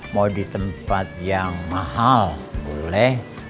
mau di tempat yang mahal boleh